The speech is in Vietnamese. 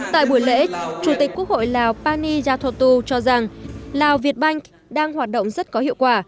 tại buổi lễ chủ tịch quốc hội lào pani yathotu cho rằng lào việt bank đang hoạt động rất có hiệu quả